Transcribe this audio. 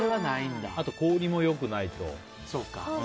あと、氷も良くないと。